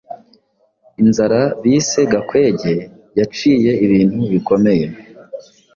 inzara bise gakwege yaciye ibintu bikomeye.